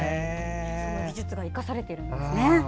その技術が生かされてるんですね。